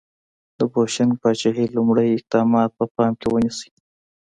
د بوشنګ پاچاهۍ لومړي اقدامات په پام کې ونیسئ.